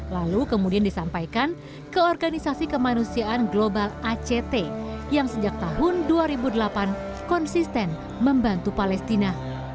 lalu kemudian disampaikan ke organisasi kemanusiaan global act yang sejak tahun dua ribu delapan konsisten membantu palestina